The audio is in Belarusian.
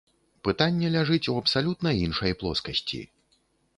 Пытанне ляжыць у абсалютна іншай плоскасці.